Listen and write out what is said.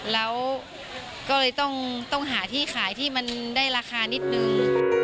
แล้วก็เลยต้องหาที่ขายที่มันได้ราคานิดนึง